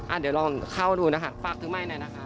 เดี๋ยวลองเข้าดูนะคะฝากถึงไมค์หน่อยนะคะ